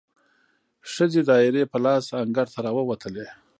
ښځې دایرې په لاس انګړ ته راووتلې،